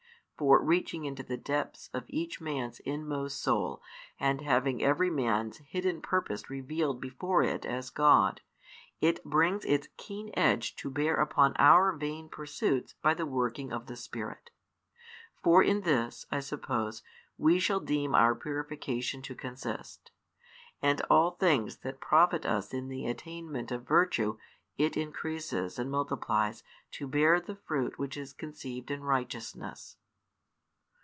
For, reaching into the depths of each man's inmost soul, and having every man's |382 hidden purpose revealed before It as God, It brings Its keen edge to bear upon our vain pursuits by the working of the Spirit. For in this, I suppose, we shall deem our purification to consist. And all things that profit us in the attainment of virtue It increases and multiplies to bear the fruit which is conceived in righteousness.